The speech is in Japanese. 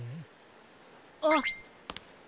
あっ！